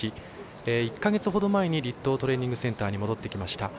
１か月ほど前に栗東トレーニング・センターに戻ってきました。